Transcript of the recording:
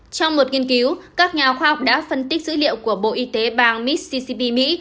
trong một nghiên cứu các nhà khoa học đã phân tích dữ liệu của bộ y tế bang missicp mỹ